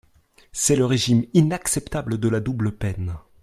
C’est le régime inacceptable de la double peine.